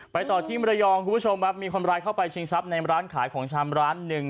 ต่อที่มรยองคุณผู้ชมครับมีคนร้ายเข้าไปชิงทรัพย์ในร้านขายของชำร้านหนึ่ง